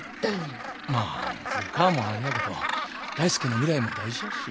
まあ古川もあれやけど大介の未来も大事やし。